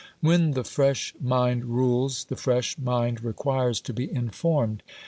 When the fresh mind rules, the fresh mind requires to be informed.